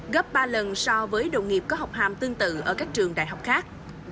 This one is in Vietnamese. gấp ba lần so với đồng nghiệp có học hàm tương tự ở các trường đại học khác